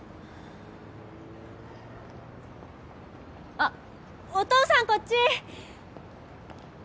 あっお父さんこっち！